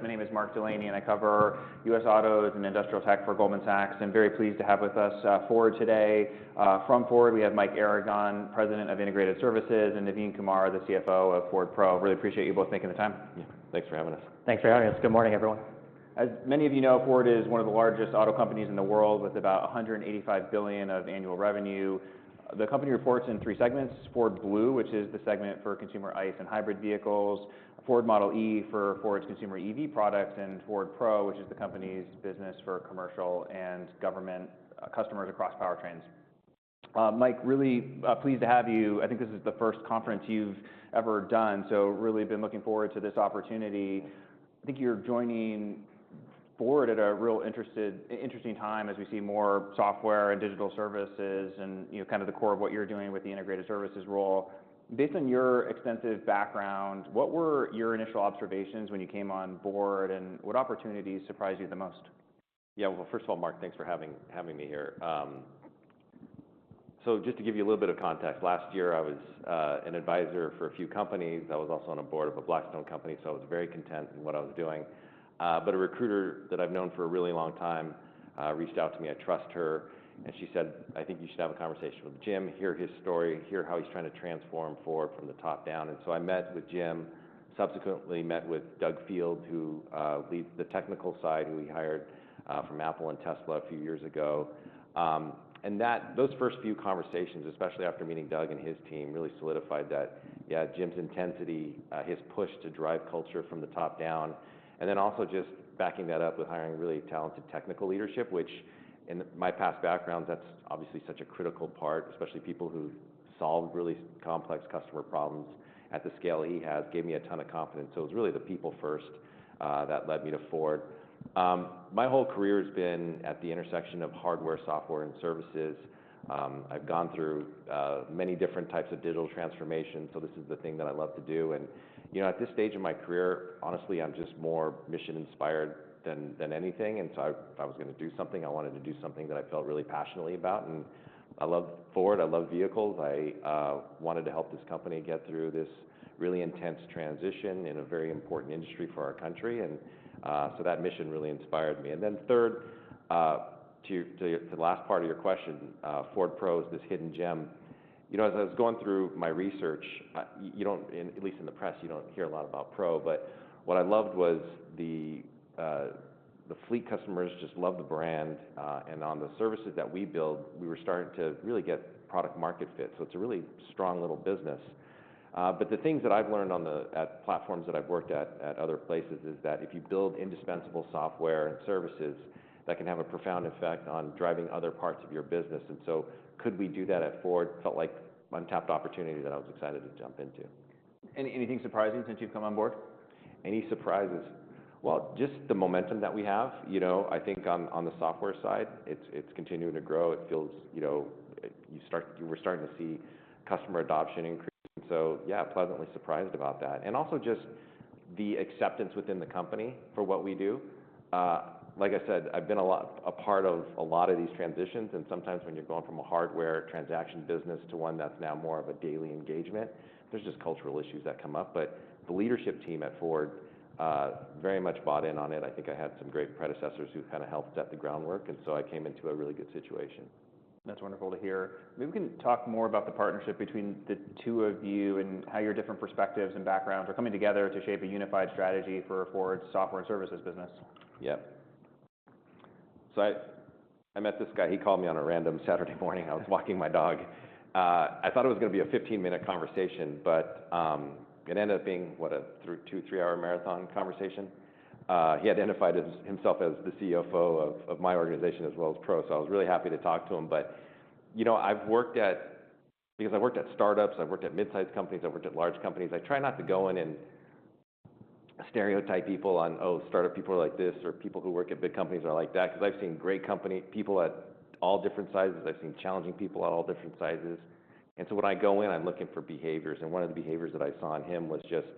My name is Mark Delaney, and I cover U.S. autos and industrial tech for Goldman Sachs. I'm very pleased to have with us Ford today. From Ford, we have Mike Aragon, President of Integrated Services, and Navin Kumar, the CFO of Ford Pro. Really appreciate you both making the time. Yeah, thanks for having us. Thanks for having us. Good morning, everyone. As many of you know, Ford is one of the largest auto companies in the world, with about $185 billion of annual revenue. The company reports in three segments: Ford Blue, which is the segment for consumer ICE and hybrid vehicles. Ford Model e for Ford's consumer EV products. And Ford Pro, which is the company's business for commercial and government customers across powertrains. Mike, really pleased to have you. I think this is the first conference you've ever done, so really been looking forward to this opportunity. I think you're joining Ford at a real interesting time as we see more software and digital services and kind of the core of what you're doing with the Integrated Services role. Based on your extensive background, what were your initial observations when you came on board, and what opportunities surprised you the most? Yeah, well, first of all, Mark, thanks for having me here. So just to give you a little bit of context, last year I was an advisor for a few companies. I was also on a board of a Blackstone company, so I was very content in what I was doing. But a recruiter that I've known for a really long time reached out to me. I trust her. And she said, "I think you should have a conversation with Jim. Hear his story. Hear how he's trying to transform Ford from the top down." And so I met with Jim. Subsequently met with Doug Field, who leads the technical side, who he hired from Apple and Tesla a few years ago. And those first few conversations, especially after meeting Doug and his team, really solidified that, yeah, Jim's intensity, his push to drive culture from the top down, and then also just backing that up with hiring really talented technical leadership, which in my past background, that's obviously such a critical part, especially people who solve really complex customer problems at the scale he has, gave me a ton of confidence. So it was really the people first that led me to Ford. My whole career has been at the intersection of hardware, software, and services. I've gone through many different types of digital transformation, so this is the thing that I love to do. And at this stage of my career, honestly, I'm just more mission-inspired than anything. And so if I was going to do something, I wanted to do something that I felt really passionately about. And I love Ford. I love vehicles. I wanted to help this company get through this really intense transition in a very important industry for our country. And so that mission really inspired me. And then third, to the last part of your question, Ford Pro is this hidden gem. As I was going through my research, at least in the press, you don't hear a lot about Pro. But what I loved was the fleet customers just loved the brand. And on the services that we build, we were starting to really get product-market fit. So it's a really strong little business. But the things that I've learned on the platforms that I've worked at other places is that if you build indispensable software and services, that can have a profound effect on driving other parts of your business. And so could we do that at Ford? It felt like an untapped opportunity that I was excited to jump into. Anything surprising since you've come on board? Any surprises? Just the momentum that we have. I think on the software side, it's continuing to grow. It feels like we're starting to see customer adoption increase. And so, yeah, pleasantly surprised about that. And also just the acceptance within the company for what we do. Like I said, I've been a part of a lot of these transitions. And sometimes when you're going from a hardware transaction business to one that's now more of a daily engagement, there's just cultural issues that come up. But the leadership team at Ford very much bought in on it. I think I had some great predecessors who kind of helped set the groundwork. And so I came into a really good situation. That's wonderful to hear. Maybe we can talk more about the partnership between the two of you and how your different perspectives and backgrounds are coming together to shape a unified strategy for Ford's software and services business. Yeah, so I met this guy. He called me on a random Saturday morning. I was walking my dog. I thought it was going to be a 15-minute conversation, but it ended up being, what, a two, three-hour marathon conversation. He identified himself as the CFO of my organization as well as Pro, so I was really happy to talk to him, but because I've worked at startups, I've worked at mid-sized companies, I've worked at large companies, I try not to go in and stereotype people on, "Oh, startup people are like this," or "People who work at big companies are like that." Because I've seen great people at all different sizes. I've seen challenging people at all different sizes, and so when I go in, I'm looking for behaviors. And one of the behaviors that I saw in him was just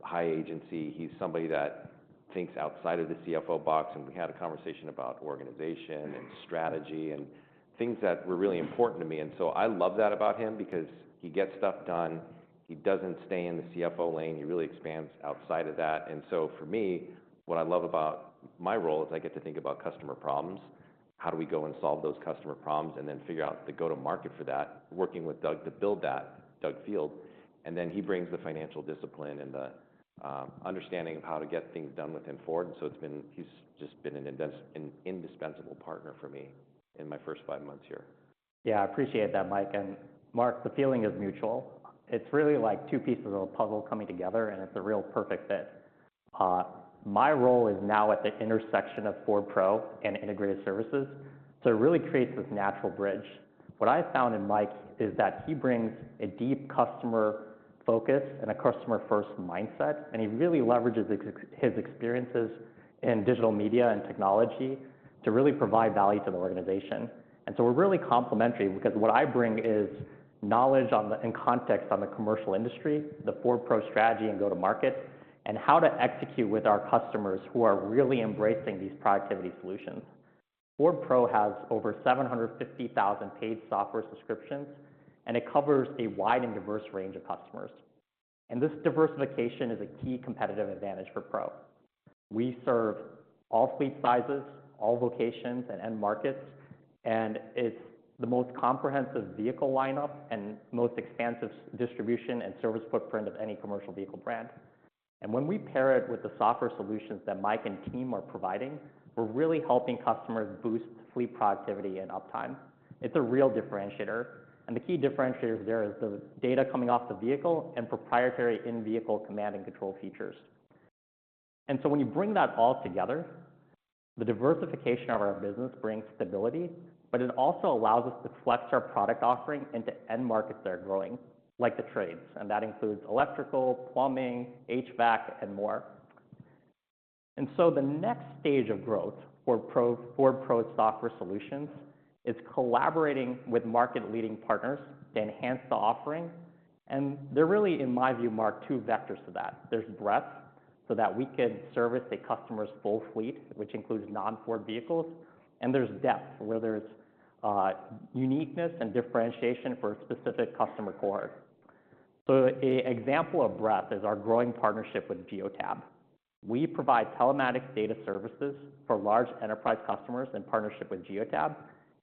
high agency. He's somebody that thinks outside of the CFO box, and we had a conversation about organization and strategy and things that were really important to me, and so I love that about him because he gets stuff done. He doesn't stay in the CFO lane. He really expands outside of that, and so for me, what I love about my role is I get to think about customer problems. How do we go and solve those customer problems and then figure out the go-to-market for that, working with Doug to build that, Doug Field, and then he brings the financial discipline and the understanding of how to get things done within Ford, and so he's just been an indispensable partner for me in my first five months here. Yeah, I appreciate that, Mike, and Mark, the feeling is mutual. It's really like two pieces of a puzzle coming together, and it's a real perfect fit. My role is now at the intersection of Ford Pro and Integrated Services, so it really creates this natural bridge. What I found in Mike is that he brings a deep customer focus and a customer-first mindset, and he really leverages his experiences in digital media and technology to really provide value to the organization, and so we're really complementary because what I bring is knowledge and context on the commercial industry, the Ford Pro strategy and go-to-market, and how to execute with our customers who are really embracing these productivity solutions. Ford Pro has over 750,000 paid software subscriptions, and it covers a wide and diverse range of customers, and this diversification is a key competitive advantage for Pro. We serve all fleet sizes, all vocations, and end markets. It's the most comprehensive vehicle lineup and most expansive distribution and service footprint of any commercial vehicle brand. When we pair it with the software solutions that Mike and team are providing, we're really helping customers boost fleet productivity and uptime. It's a real differentiator. The key differentiator there is the data coming off the vehicle and proprietary in-vehicle command and control features. When you bring that all together, the diversification of our business brings stability, but it also allows us to flex our product offering into end markets that are growing, like the trades. That includes electrical, plumbing, HVAC, and more. The next stage of growth for Ford Pro software solutions is collaborating with market-leading partners to enhance the offering. There really, in my view, Mark, two vectors to that. There's breadth so that we could service a customer's full fleet, which includes non-Ford vehicles. And there's depth where there's uniqueness and differentiation for a specific customer core. So an example of breadth is our growing partnership with Geotab. We provide telematics data services for large enterprise customers in partnership with Geotab.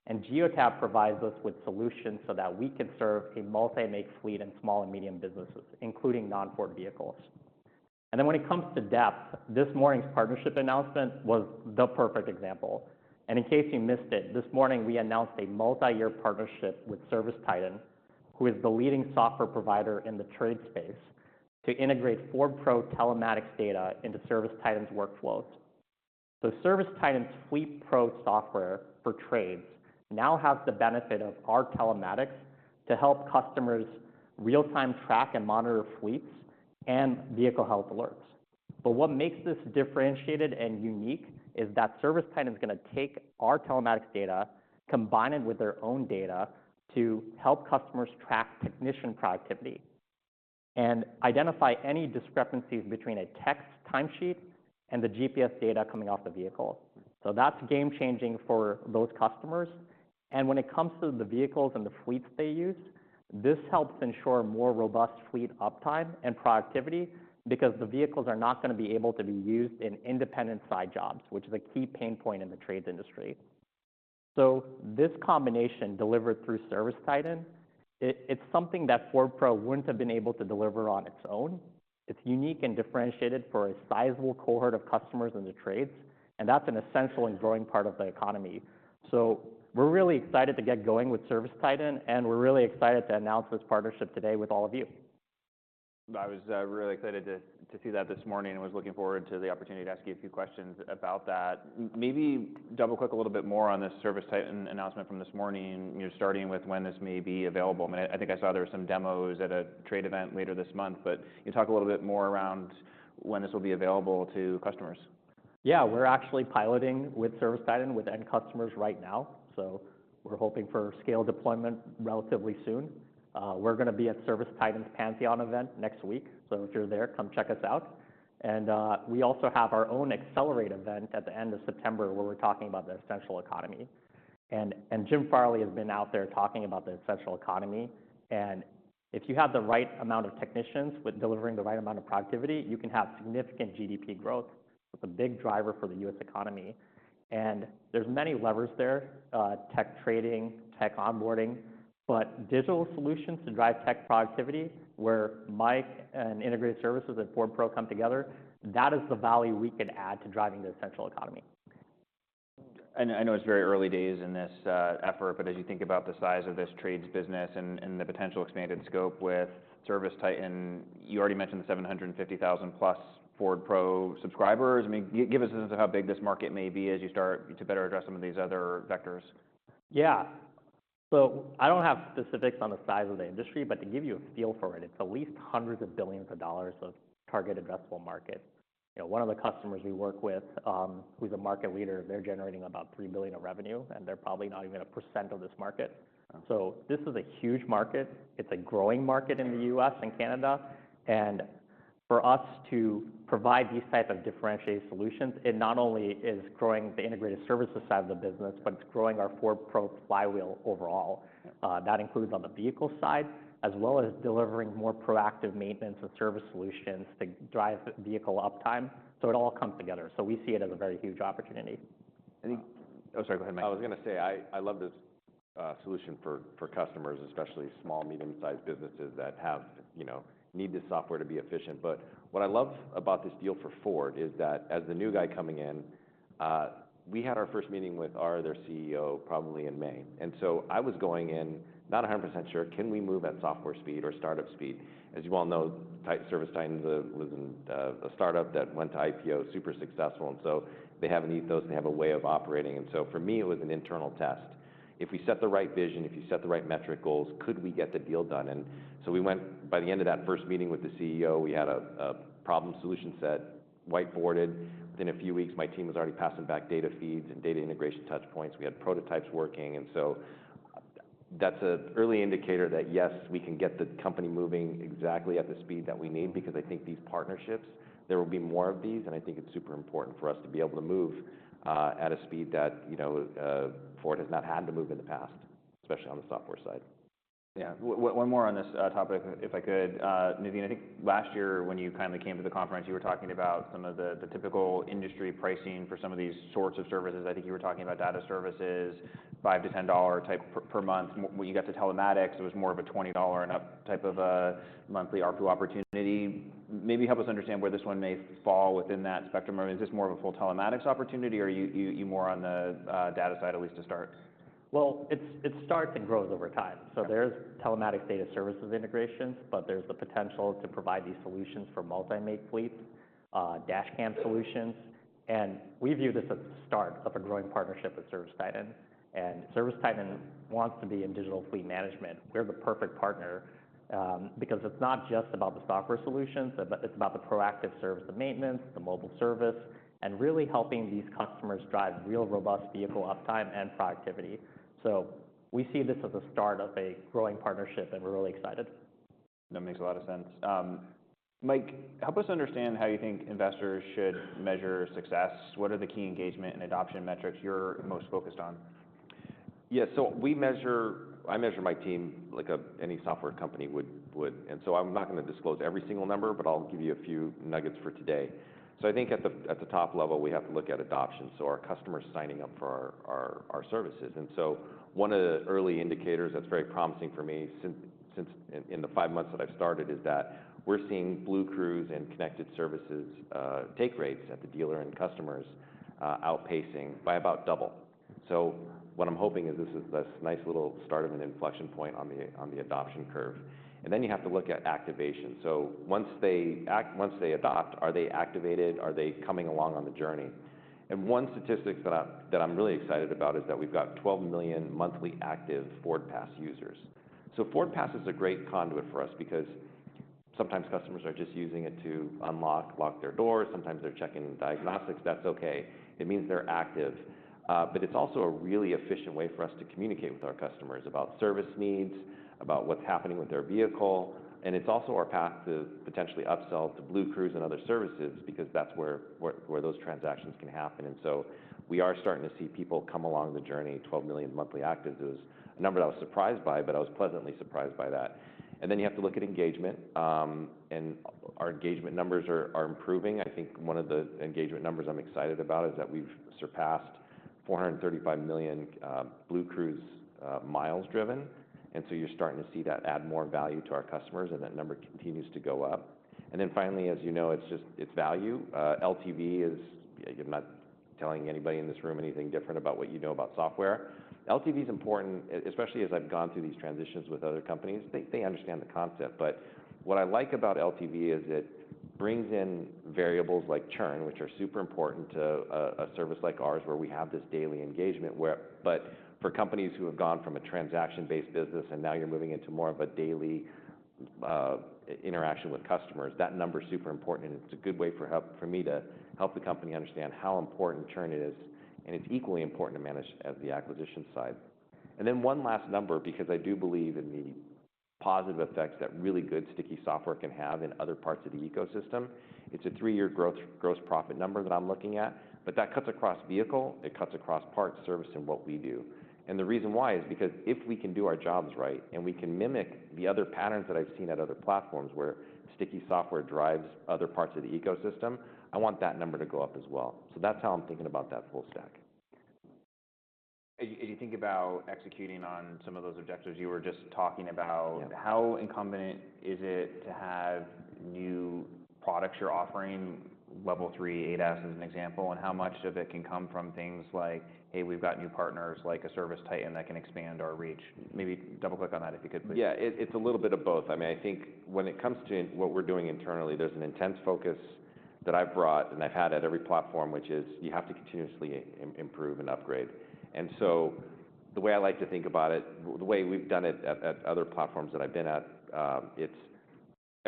And Geotab provides us with solutions so that we can serve a multi-make fleet and small and medium businesses, including non-Ford vehicles. And then when it comes to depth, this morning's partnership announcement was the perfect example. And in case you missed it, this morning we announced a multi-year partnership with ServiceTitan, who is the leading software provider in the trade space, to integrate Ford Pro telematics data into ServiceTitan's workflows. So ServiceTitan's Fleet Pro software for trades now has the benefit of our telematics to help customers real-time track and monitor fleets and vehicle health alerts. But what makes this differentiated and unique is that ServiceTitan is going to take our telematics data, combine it with their own data to help customers track technician productivity and identify any discrepancies between a tech timesheet and the GPS data coming off the vehicle. So that's game-changing for those customers. And when it comes to the vehicles and the fleets they use, this helps ensure more robust fleet uptime and productivity because the vehicles are not going to be able to be used in independent side jobs, which is a key pain point in the trades industry. So this combination delivered through ServiceTitan, it's something that Ford Pro wouldn't have been able to deliver on its own. It's unique and differentiated for a sizable cohort of customers in the trades. And that's an essential and growing part of the economy. So we're really excited to get going with ServiceTitan, and we're really excited to announce this partnership today with all of you. I was really excited to see that this morning and was looking forward to the opportunity to ask you a few questions about that. Maybe double-click a little bit more on this ServiceTitan announcement from this morning, starting with when this may be available. I mean, I think I saw there were some demos at a trade event later this month, but can you talk a little bit more around when this will be available to customers? Yeah, we're actually piloting with ServiceTitan with end customers right now. So we're hoping for scale deployment relatively soon. We're going to be at ServiceTitan's Pantheon event next week. So if you're there, come check us out. We also have our own accelerate event at the end of September where we're talking about the essential economy. Jim Farley has been out there talking about the essential economy. If you have the right amount of technicians delivering the right amount of productivity, you can have significant GDP growth, a big driver for the U.S. economy. There's many levers there: tech training, tech onboarding. Digital solutions to drive tech productivity, where Mike and Integrated Services and Ford Pro come together, that is the value we could add to driving the essential economy. I know it's very early days in this effort, but as you think about the size of this trades business and the potential expanded scope with ServiceTitan, you already mentioned the 750,000-plus Ford Pro subscribers. I mean, give us a sense of how big this market may be as you start to better address some of these other vectors. Yeah. So I don't have specifics on the size of the industry, but to give you a feel for it, it's at least hundreds of billions of dollars of target addressable market. One of the customers we work with, who's a market leader, they're generating about $3 billion of revenue, and they're probably not even 1% of this market. So this is a huge market. It's a growing market in the U.S. and Canada. And for us to provide these types of differentiated solutions, it not only is growing the Integrated Services side of the business, but it's growing our Ford Pro flywheel overall. That includes on the vehicle side, as well as delivering more proactive maintenance and service solutions to drive vehicle uptime. So it all comes together. So we see it as a very huge opportunity. I think. Oh, sorry, go ahead, Mike. I was going to say, I love this solution for customers, especially small, medium-sized businesses that need this software to be efficient, but what I love about this deal for Ford is that as the new guy coming in, we had our first meeting with our other CEO probably in May, and so I was going in, not 100% sure, can we move at software speed or startup speed? As you all know, ServiceTitan was a startup that went to IPO, super successful, and so they have an ethos, and they have a way of operating, and so for me, it was an internal test. If we set the right vision, if you set the right metric goals, could we get the deal done? And so we went by the end of that first meeting with the CEO, we had a problem-solution set, whiteboarded. Within a few weeks, my team was already passing back data feeds and data integration touchpoints. We had prototypes working, and so that's an early indicator that, yes, we can get the company moving exactly at the speed that we need because I think these partnerships, there will be more of these, and I think it's super important for us to be able to move at a speed that Ford has not had to move in the past, especially on the software side. Yeah. One more on this topic, if I could. Navin, I think last year when you kindly came to the conference, you were talking about some of the typical industry pricing for some of these sorts of services. I think you were talking about data services, $5-$10 type per month. When you got to telematics, it was more of a $20 and up type of monthly RPU opportunity. Maybe help us understand where this one may fall within that spectrum. Is this more of a full telematics opportunity, or are you more on the data side, at least to start? It starts and grows over time. There's telematics data services integrations, but there's the potential to provide these solutions for multi-make fleets, dashcam solutions. We view this as the start of a growing partnership with ServiceTitan. ServiceTitan wants to be in digital fleet management. We're the perfect partner because it's not just about the software solutions, but it's about the proactive service to maintenance, the mobile service, and really helping these customers drive real robust vehicle uptime and productivity. We see this as a start of a growing partnership, and we're really excited. That makes a lot of sense. Mike, help us understand how you think investors should measure success. What are the key engagement and adoption metrics you're most focused on? Yeah. So I measure my team like any software company would. And so I'm not going to disclose every single number, but I'll give you a few nuggets for today. So I think at the top level, we have to look at adoption. So our customers signing up for our services. And so one of the early indicators that's very promising for me in the five months that I've started is that we're seeing BlueCruise and Connected Services take rates at the dealer and customers outpacing by about double. So what I'm hoping is this is this nice little start of an inflection point on the adoption curve. And then you have to look at activation. So once they adopt, are they activated? Are they coming along on the journey? And one statistic that I'm really excited about is that we've got 12 million monthly active FordPass users. So FordPass is a great conduit for us because sometimes customers are just using it to unlock, lock their doors. Sometimes they're checking diagnostics. That's okay. It means they're active. But it's also a really efficient way for us to communicate with our customers about service needs, about what's happening with their vehicle. And it's also our path to potentially upsell to BlueCruise and other services because that's where those transactions can happen. And so we are starting to see people come along the journey, 12 million monthly active. It was a number that I was surprised by, but I was pleasantly surprised by that. And then you have to look at engagement. And our engagement numbers are improving. I think one of the engagement numbers I'm excited about is that we've surpassed 435 million BlueCruise miles driven. And so you're starting to see that add more value to our customers, and that number continues to go up. And then finally, as you know, it's value. LTV is. I'm not telling anybody in this room anything different about what you know about software. LTV is important, especially as I've gone through these transitions with other companies. They understand the concept. But what I like about LTV is it brings in variables like churn, which are super important to a service like ours where we have this daily engagement. But for companies who have gone from a transaction-based business and now you're moving into more of a daily interaction with customers, that number is super important. And it's a good way for me to help the company understand how important churn is. And it's equally important to manage as the acquisition side. And then one last number, because I do believe in the positive effects that really good sticky software can have in other parts of the ecosystem. It's a three-year gross profit number that I'm looking at. But that cuts across vehicle. It cuts across parts, service, and what we do. And the reason why is because if we can do our jobs right and we can mimic the other patterns that I've seen at other platforms where sticky software drives other parts of the ecosystem, I want that number to go up as well. So that's how I'm thinking about that full stack. As you think about executing on some of those objectives you were just talking about, how incumbent is it to have new products you're offering, Level 3 ADAS as an example, and how much of it can come from things like, "Hey, we've got new partners like a ServiceTitan that can expand our reach"? Maybe double-click on that if you could, please. Yeah, it's a little bit of both. I mean, I think when it comes to what we're doing internally, there's an intense focus that I've brought and I've had at every platform, which is you have to continuously improve and upgrade. And so the way I like to think about it, the way we've done it at other platforms that I've been at,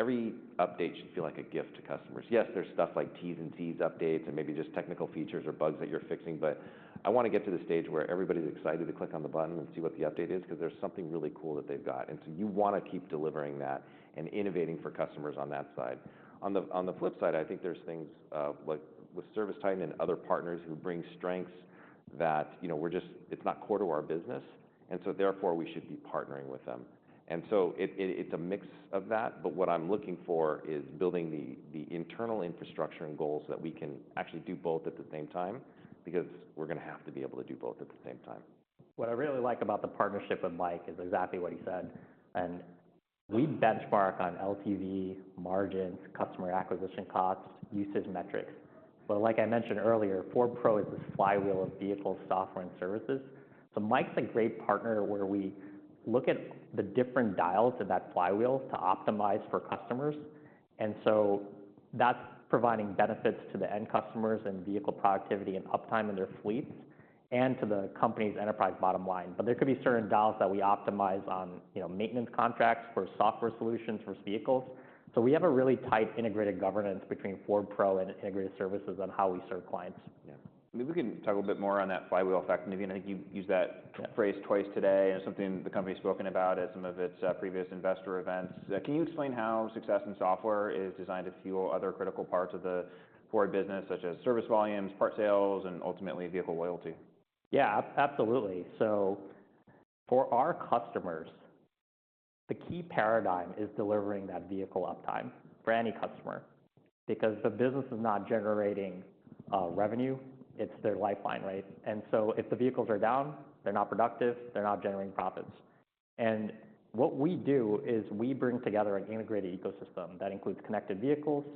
it's every update should feel like a gift to customers. Yes, there's stuff like T&Cs updates and maybe just technical features or bugs that you're fixing. But I want to get to the stage where everybody's excited to click on the button and see what the update is because there's something really cool that they've got. And so you want to keep delivering that and innovating for customers on that side. On the flip side, I think there's things with ServiceTitan and other partners who bring strengths that we're just, it's not core to our business. And so therefore, we should be partnering with them. And so it's a mix of that. But what I'm looking for is building the internal infrastructure and goals that we can actually do both at the same time because we're going to have to be able to do both at the same time. What I really like about the partnership with Mike is exactly what he said, and we benchmark on LTV, margins, customer acquisition costs, usage metrics, but like I mentioned earlier, Ford Pro is this flywheel of vehicles, software, and services, so Mike's a great partner where we look at the different dials of that flywheel to optimize for customers, and so that's providing benefits to the end customers and vehicle productivity and uptime in their fleets and to the company's enterprise bottom line, but there could be certain dials that we optimize on maintenance contracts for software solutions versus vehicles, so we have a really tight integrated governance between Ford Pro and Integrated Services on how we serve clients. Yeah. Maybe we can talk a little bit more on that flywheel effect. Navin, I think you used that phrase twice today. It's something the company's spoken about at some of its previous investor events. Can you explain how success in software is designed to fuel other critical parts of the Ford business, such as service volumes, part sales, and ultimately vehicle loyalty? Yeah, absolutely. So for our customers, the key paradigm is delivering that vehicle uptime for any customer because the business is not generating revenue. It's their lifeline, right? And so if the vehicles are down, they're not productive. They're not generating profits. And what we do is we bring together an integrated ecosystem that includes connected vehicles,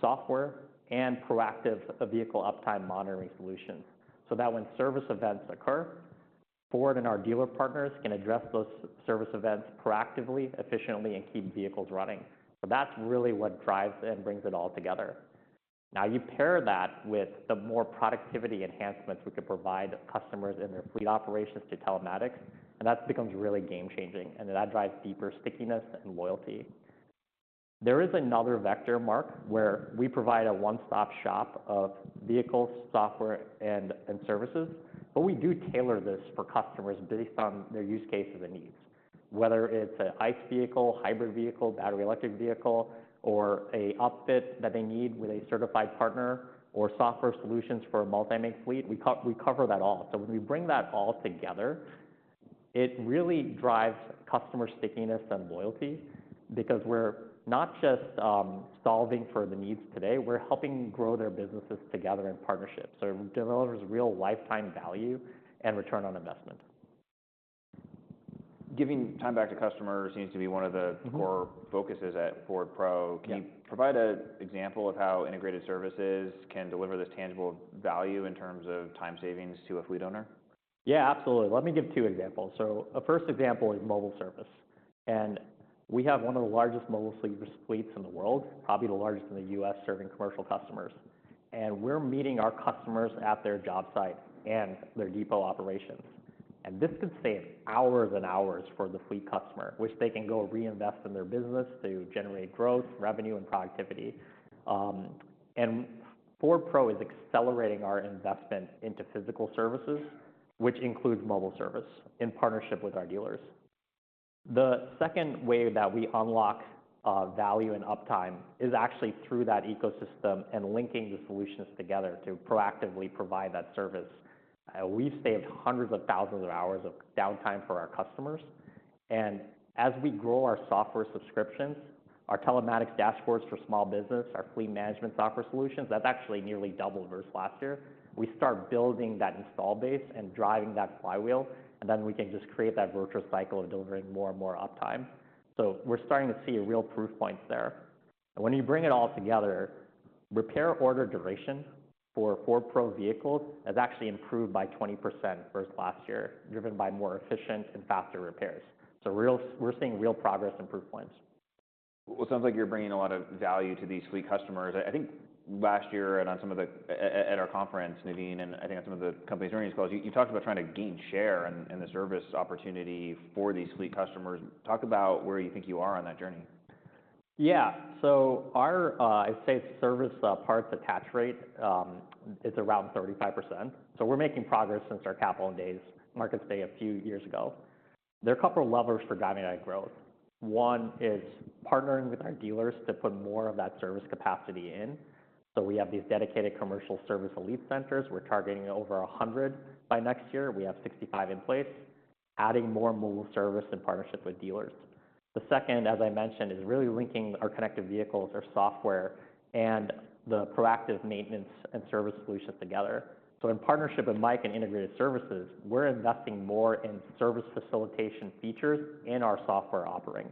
software, and proactive vehicle uptime monitoring solutions so that when service events occur, Ford and our dealer partners can address those service events proactively, efficiently, and keep vehicles running. So that's really what drives and brings it all together. Now, you pair that with the more productivity enhancements we can provide customers in their fleet operations to telematics, and that becomes really game-changing. And that drives deeper stickiness and loyalty. There is another vector, Mark, where we provide a one-stop shop of vehicles, software, and services. But we do tailor this for customers based on their use cases and needs, whether it's an ICE vehicle, hybrid vehicle, battery-electric vehicle, or an upfit that they need with a certified partner or software solutions for a multi-make fleet. We cover that all. So when we bring that all together, it really drives customer stickiness and loyalty because we're not just solving for the needs today. We're helping grow their businesses together in partnership. So it delivers real lifetime value and return on investment. Giving time back to customers seems to be one of the core focuses at Ford Pro. Can you provide an example of how Integrated Services can deliver this tangible value in terms of time savings to a fleet owner? Yeah, absolutely. Let me give two examples. So a first example is mobile service. And we have one of the largest mobile fleets in the world, probably the largest in the U.S. serving commercial customers. And we're meeting our customers at their job site and their depot operations. And this could save hours and hours for the fleet customer, which they can go reinvest in their business to generate growth, revenue, and productivity. And Ford Pro is accelerating our investment into physical services, which includes mobile service in partnership with our dealers. The second way that we unlock value and uptime is actually through that ecosystem and linking the solutions together to proactively provide that service. We've saved hundreds of thousands of hours of downtime for our customers. As we grow our software subscriptions, our telematics dashboards for small business, our fleet management software solutions, that's actually nearly doubled versus last year. We start building that install base and driving that flywheel, and then we can just create that virtual cycle of delivering more and more uptime. We're starting to see real proof points there. When you bring it all together, repair order duration for Ford Pro vehicles has actually improved by 20% versus last year, driven by more efficient and faster repairs. We're seeing real progress and proof points. It sounds like you're bringing a lot of value to these fleet customers. I think last year and on some of them at our conference, Navin, and I think on some of the company's earnings calls, you talked about trying to gain share in the service opportunity for these fleet customers. Talk about where you think you are on that journey. Yeah. So our, I'd say, service parts attach rate, it's around 35%. So we're making progress since our Capital Markets Day a few years ago. There are a couple of levers for driving that growth. One is partnering with our dealers to put more of that service capacity in. So we have these dedicated commercial service elite centers. We're targeting over 100 by next year. We have 65 in place, adding more mobile service in partnership with dealers. The second, as I mentioned, is really linking our connected vehicles, our software, and the proactive maintenance and service solutions together. So in partnership with Mike and Integrated Services, we're investing more in service facilitation features in our software offering.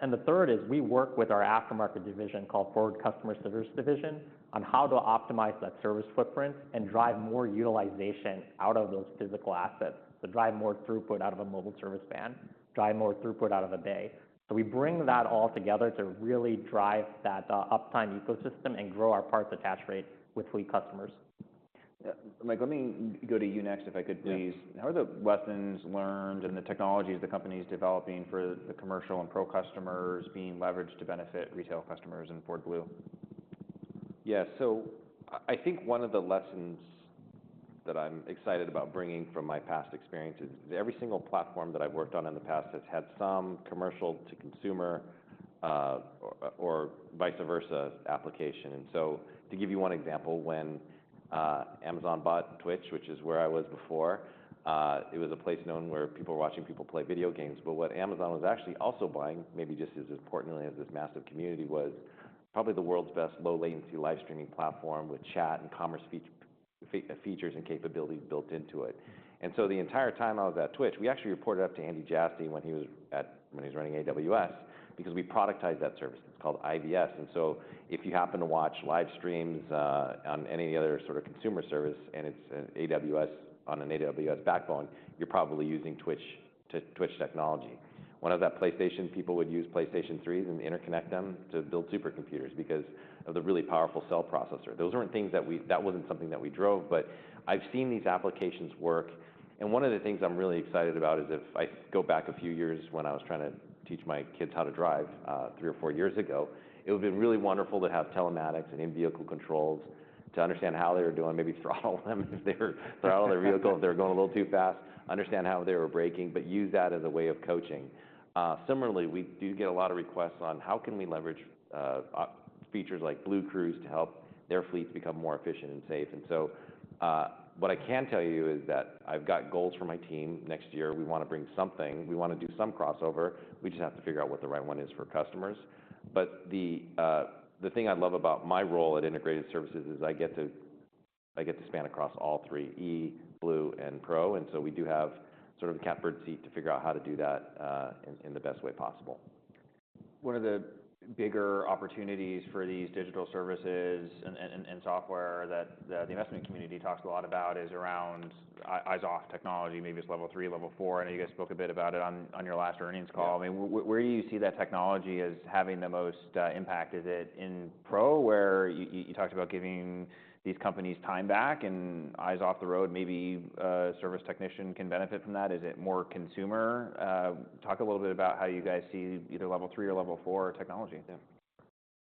And the third is we work with our aftermarket division called Ford Customer Service Division on how to optimize that service footprint and drive more utilization out of those physical assets, to drive more throughput out of a mobile service van, drive more throughput out of a bay. So we bring that all together to really drive that uptime ecosystem and grow our parts attach rate with fleet customers. Mike, let me go to you next, if I could, please. How are the lessons learned and the technologies the company is developing for the commercial and pro customers being leveraged to benefit retail customers in Ford Blue? Yeah. So I think one of the lessons that I'm excited about bringing from my past experience is every single platform that I've worked on in the past has had some commercial-to-consumer or vice versa application. And so to give you one example, when Amazon bought Twitch, which is where I was before, it was a place known where people were watching people play video games. But what Amazon was actually also buying, maybe just as importantly as this massive community was, probably the world's best low-latency live streaming platform with chat and commerce features and capabilities built into it. And so the entire time I was at Twitch, we actually reported up to Andy Jassy when he was running AWS because we productized that service. It's called IVS. And so if you happen to watch live streams on any other sort of consumer service and it's an AWS on an AWS backbone, you're probably using Twitch technology. When I was at PlayStation, people would use PlayStation 3s and interconnect them to build supercomputers because of the really powerful cell processor. Those weren't things that we drove. That wasn't something that we drove. But I've seen these applications work. And one of the things I'm really excited about is if I go back a few years when I was trying to teach my kids how to drive three or four years ago, it would have been really wonderful to have telematics and in-vehicle controls to understand how they were doing, maybe throttle them if they were throttling their vehicle if they were going a little too fast, understand how they were braking, but use that as a way of coaching. Similarly, we do get a lot of requests on how can we leverage features like BlueCruise to help their fleets become more efficient and safe. And so what I can tell you is that I've got goals for my team next year. We want to bring something. We want to do some crossover. We just have to figure out what the right one is for customers. But the thing I love about my role at Integrated Services is I get to span across all three: E, Blue, and Pro. And so we do have sort of the catbird seat to figure out how to do that in the best way possible. One of the bigger opportunities for these digital services and software that the investment community talks a lot about is around eyes-off technology, maybe it's Level 3, Level 4. I know you guys spoke a bit about it on your last earnings call. I mean, where do you see that technology as having the most impact? Is it in Pro, where you talked about giving these companies time back and eyes off the road? Maybe a service technician can benefit from that. Is it more consumer? Talk a little bit about how you guys see either Level 3 or Level 4 technology.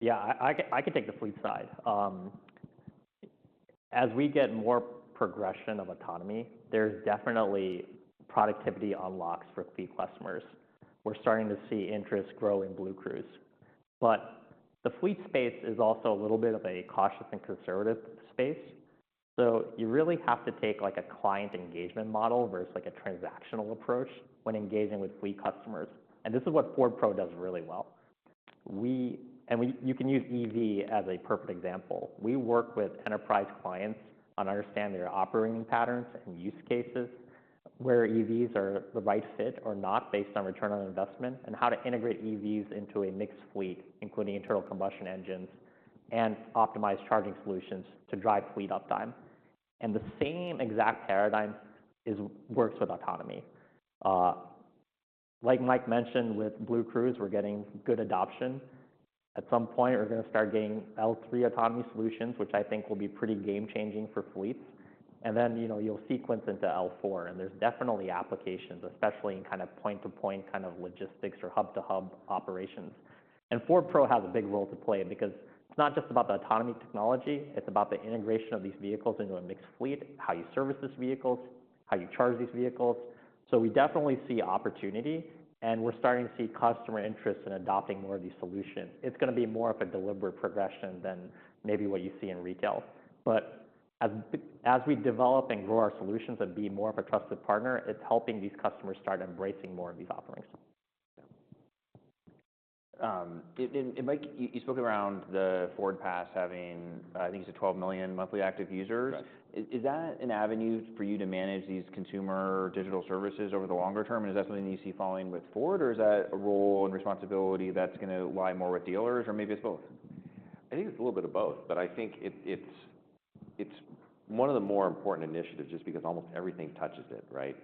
Yeah. I can take the fleet side. As we get more progression of autonomy, there's definitely productivity unlocks for fleet customers. We're starting to see interest grow in BlueCruise. But the fleet space is also a little bit of a cautious and conservative space. So you really have to take a client engagement model versus a transactional approach when engaging with fleet customers. And this is what Ford Pro does really well. And you can use EV as a perfect example. We work with enterprise clients on understanding their operating patterns and use cases, where EVs are the right fit or not based on return on investment, and how to integrate EVs into a mixed fleet, including internal combustion engines and optimized charging solutions to drive fleet uptime. And the same exact paradigm works with autonomy. Like Mike mentioned, with BlueCruise, we're getting good adoption. At some point, we're going to start getting L3 autonomy solutions, which I think will be pretty game-changing for fleets, and then you'll sequence into L4, and there's definitely applications, especially in kind of point-to-point kind of logistics or hub-to-hub operations. And Ford Pro has a big role to play because it's not just about the autonomy technology. It's about the integration of these vehicles into a mixed fleet, how you service these vehicles, how you charge these vehicles, so we definitely see opportunity, and we're starting to see customer interest in adopting more of these solutions. It's going to be more of a deliberate progression than maybe what you see in retail, but as we develop and grow our solutions and be more of a trusted partner, it's helping these customers start embracing more of these offerings. Mike, you spoke about the FordPass having, I think it's a 12 million monthly active users. Is that an avenue for you to manage these consumer digital services over the longer term? And is that something that you see falling within Ford, or is that a role and responsibility that's going to lie more with dealers, or maybe it's both? I think it's a little bit of both. But I think it's one of the more important initiatives just because almost everything touches it, right,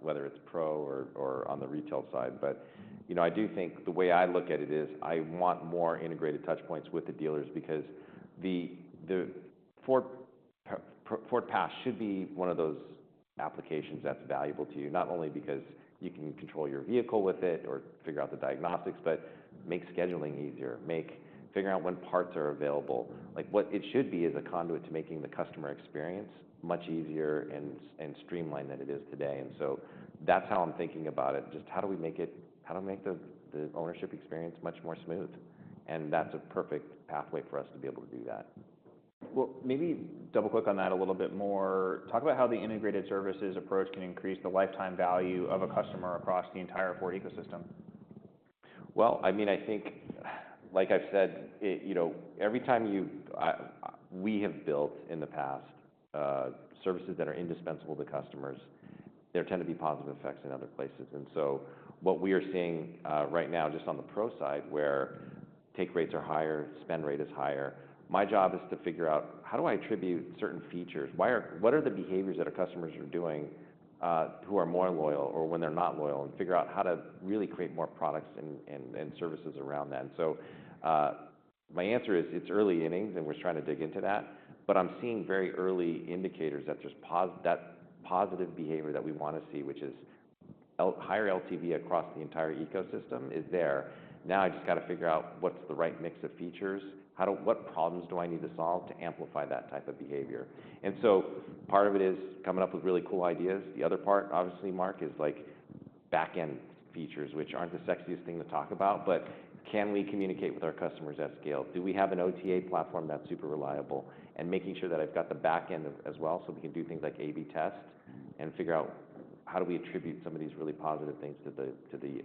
whether it's pro or on the retail side. But I do think the way I look at it is I want more integrated touchpoints with the dealers because the FordPass should be one of those applications that's valuable to you, not only because you can control your vehicle with it or figure out the diagnostics, but make scheduling easier, figure out when parts are available. What it should be is a conduit to making the customer experience much easier and streamlined than it is today. And so that's how I'm thinking about it, just how do we make the ownership experience much more smooth. And that's a perfect pathway for us to be able to do that. Maybe double-click on that a little bit more. Talk about how the Integrated Services approach can increase the lifetime value of a customer across the entire Ford ecosystem. I mean, I think, like I've said, every time we have built in the past services that are indispensable to customers, there tend to be positive effects in other places. What we are seeing right now, just on the pro side, where take rates are higher, spend rate is higher, my job is to figure out how do I attribute certain features? What are the behaviors that our customers are doing who are more loyal or when they're not loyal? Figure out how to really create more products and services around that. My answer is it's early innings, and we're trying to dig into that. I'm seeing very early indicators that positive behavior that we want to see, which is higher LTV across the entire ecosystem, is there. Now I just got to figure out what's the right mix of features. What problems do I need to solve to amplify that type of behavior? And so part of it is coming up with really cool ideas. The other part, obviously, Mark, is back-end features, which aren't the sexiest thing to talk about. But can we communicate with our customers at scale? Do we have an OTA platform that's super reliable? And making sure that I've got the back-end as well so we can do things like A/B test and figure out how do we attribute some of these really positive things to the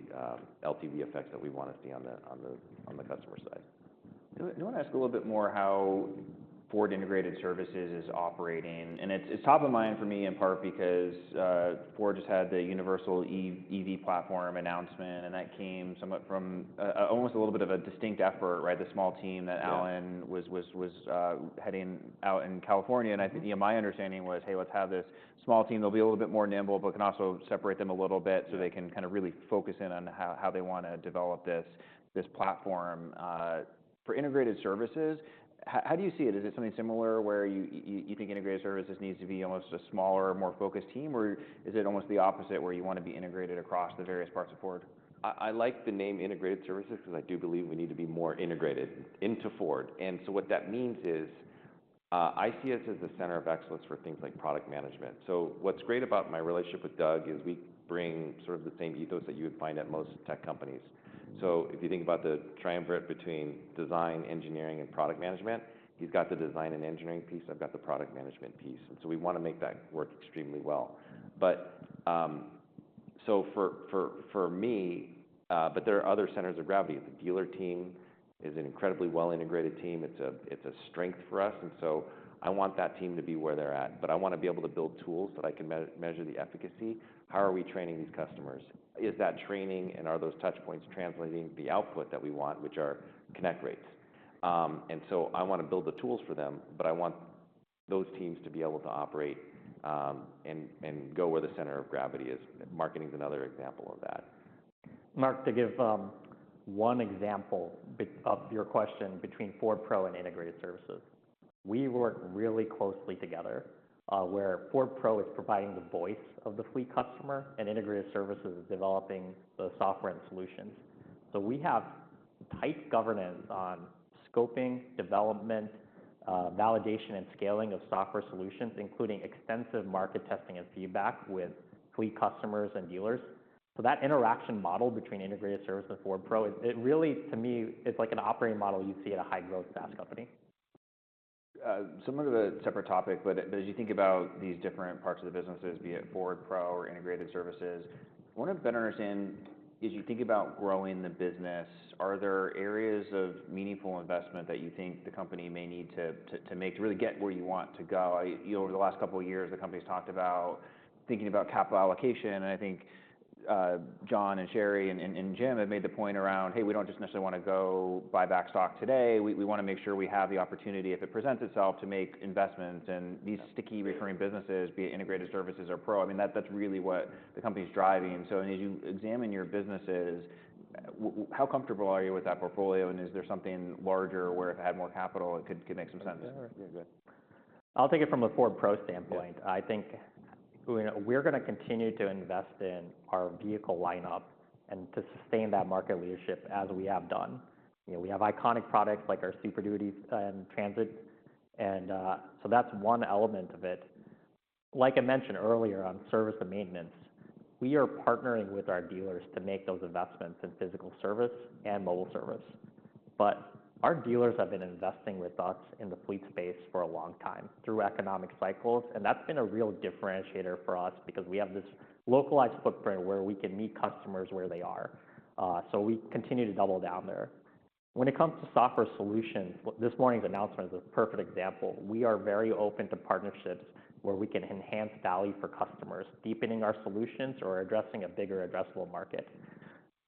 LTV effects that we want to see on the customer side. I want to ask a little bit more how Ford Integrated Services is operating. And that came somewhat from almost a little bit of a distinct effort, right, the small team that Alan was heading out in California. And my understanding was, hey, let's have this small team. They'll be a little bit more nimble, but can also separate them a little bit so they can kind of really focus in on how they want to develop this platform. For Integrated Services, how do you see it? Is it something similar where you think Integrated Services needs to be almost a smaller, more focused team, or is it almost the opposite where you want to be integrated across the various parts of Ford? I like the name Integrated Services because I do believe we need to be more integrated into Ford, and so what that means is I see us as the center of excellence for things like product management, so what's great about my relationship with Doug is we bring sort of the same ethos that you would find at most tech companies, so if you think about the triumvirate between design, engineering, and product management, he's got the design and engineering piece, I've got the product management piece, and so we want to make that work extremely well. So for me, but there are other centers of gravity, the dealer team is an incredibly well-integrated team, it's a strength for us, and so I want that team to be where they're at, but I want to be able to build tools that I can measure the efficacy. How are we training these customers? Is that training, and are those touchpoints translating the output that we want, which are connect rates? And so I want to build the tools for them, but I want those teams to be able to operate and go where the center of gravity is. Marketing is another example of that. Mark, to give one example of your question between Ford Pro and Integrated Services, we work really closely together where Ford Pro is providing the voice of the fleet customer and Integrated Services is developing the software and solutions. So we have tight governance on scoping, development, validation, and scaling of software solutions, including extensive market testing and feedback with fleet customers and dealers. So that interaction model between Integrated Services and Ford Pro, it really, to me, it's like an operating model you'd see at a high-growth SaaS company. Some of it's a separate topic, but as you think about these different parts of the businesses, be it Ford Pro or Integrated Services, I want to better understand, as you think about growing the business, are there areas of meaningful investment that you think the company may need to make to really get where you want to go? Over the last couple of years, the company's talked about thinking about capital allocation, and I think John and Sherry and Jim have made the point around, "Hey, we don't just necessarily want to go buy back stock today. We want to make sure we have the opportunity, if it presents itself, to make investments," and these sticky recurring businesses, be it Integrated Services or Pro, I mean, that's really what the company's driving, so as you examine your businesses, how comfortable are you with that portfolio? Is there something larger where, if it had more capital, it could make some sense? Yeah, go ahead. I'll take it from the Ford Pro standpoint. I think we're going to continue to invest in our vehicle lineup and to sustain that market leadership as we have done. We have iconic products like our Super Duty and Transit. And so that's one element of it. Like I mentioned earlier on service and maintenance, we are partnering with our dealers to make those investments in physical service and mobile service. But our dealers have been investing with us in the fleet space for a long time through economic cycles. And that's been a real differentiator for us because we have this localized footprint where we can meet customers where they are. So we continue to double down there. When it comes to software solutions, this morning's announcement is a perfect example. We are very open to partnerships where we can enhance value for customers, deepening our solutions or addressing a bigger addressable market.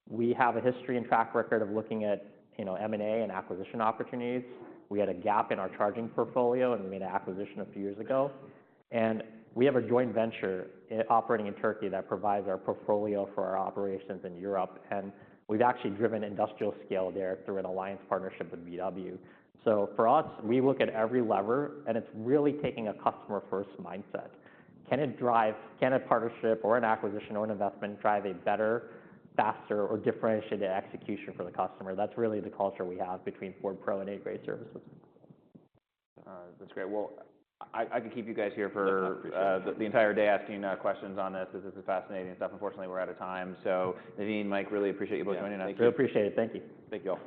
We have a history and track record of looking at M&A and acquisition opportunities. We had a gap in our charging portfolio, and we made an acquisition a few years ago, and we have a joint venture operating in Turkey that provides our portfolio for our operations in Europe, and we've actually driven industrial scale there through an alliance partnership with VW, so for us, we look at every lever, and it's really taking a customer-first mindset. Can a partnership or an acquisition or an investment drive a better, faster, or differentiated execution for the customer? That's really the culture we have between Ford Pro and Integrated Services. That's great. Well, I could keep you guys here for the entire day asking questions on this. This is fascinating stuff. Unfortunately, we're out of time. So Navin, Mike, really appreciate you both joining us. Thank you. Appreciate it. Thank you. Thank you all.